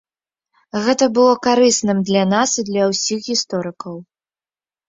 Гэта было карысным для нас і для ўсіх гісторыкаў.